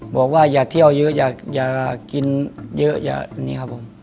บอกว่าอย่าเที่ยวเยอะอยากกินเยอะอย่านี่ครับผม